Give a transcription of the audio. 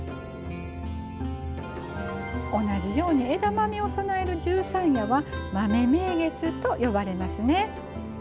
同じように枝豆を供える十三夜は豆名月と呼ばれますね。